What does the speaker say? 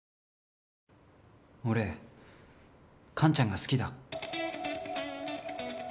俺カンちゃんが好きだ。